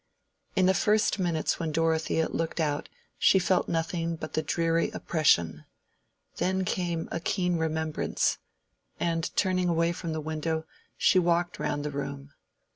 In the first minutes when Dorothea looked out she felt nothing but the dreary oppression; then came a keen remembrance, and turning away from the window she walked round the room.